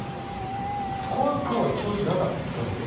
怖くは正直なかったですね。